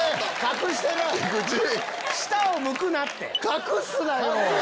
隠すなよ！